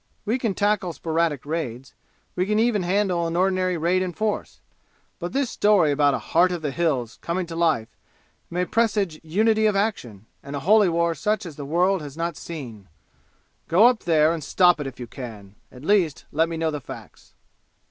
We can tackle sporadic raids. We can even handle an ordinary raid in force. But this story about a 'Heart of the Hills' coming to life may presage unity of action and a holy war such as the world has not seen. Go up there and stop it if you can. At least, let me know the facts."